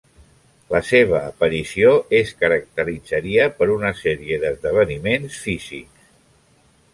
La seva aparició es caracteritzaria per una sèrie d'esdeveniments físics.